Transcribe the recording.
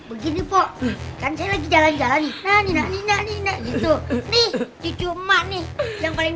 begini pokok kan saya lagi jalan jalan nih nah ini nah ini nah gitu nih dicuma nih yang paling